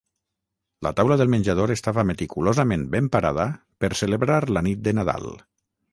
La taula del menjador estava meticulosament ben parada per celebrar la nit de Nadal